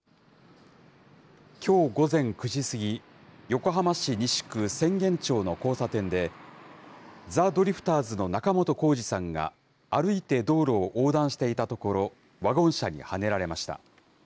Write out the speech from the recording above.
きょう午前９時過ぎ、横浜市西区浅間町の交差点で、ザ・ドリフターズの仲本工事さんが、歩いて道路を横断していたところ、ワゴン車にはねられました。